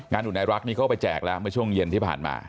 อุนายรักนี้เขาไปแจกแล้วเมื่อช่วงเย็นที่ผ่านมา